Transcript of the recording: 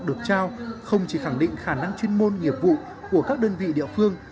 được trao không chỉ khẳng định khả năng chuyên môn nghiệp vụ của các đơn vị địa phương